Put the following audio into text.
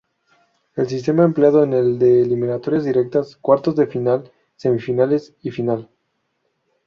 El sistema empleado es el de eliminatorias directas, cuartos de final, semifinales y final.